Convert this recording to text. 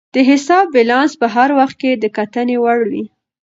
د حساب بیلانس په هر وخت کې د کتنې وړ وي.